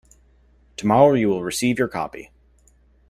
Tomorrow you will receive your copy.